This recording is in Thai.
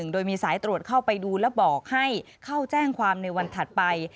โดยมีสายตรวจเข้าไปดูและบอกให้เข้าแจ้งความในวันถัดไป